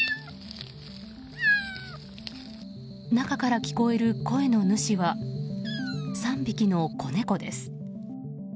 中から聞こえる声の主は３匹の子猫です。